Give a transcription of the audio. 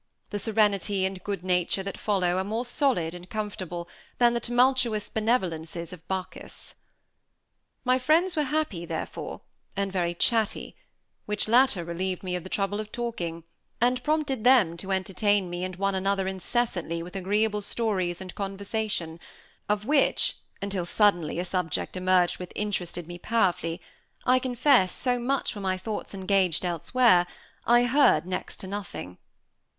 The serenity and good nature that follow are more solid and comfortable than the tumultuous benevolences of Bacchus. My friends were happy, therefore, and very chatty; which latter relieved me of the trouble of talking, and prompted them to entertain me and one another incessantly with agreeable stories and conversation, of which, until suddenly a subject emerged which interested me powerfully, I confess, so much were my thoughts engaged elsewhere, I heard next to nothing.